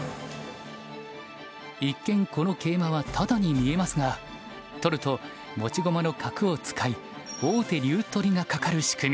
一見この桂馬はタダに見えますが取ると持ち駒の角を使い王手竜取りがかかる仕組み。